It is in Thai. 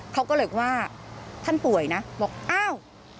เขาก็เลยบอกว่าท่านป่วยนะบอกอ้าว